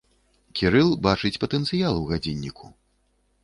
Кірыл бачыць патэнцыял у гадзінніку.